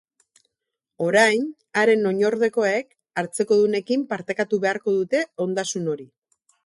Orain, haren oinordekoek hartzekodunekin partekatu beharko dute ondasun hori.